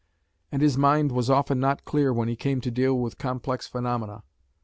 And his mind was often not clear when he came to deal with complex phenomena.